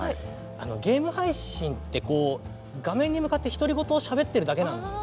ゲーム配信ってこう画面に向かって独り言をしゃべってるだけなんですね。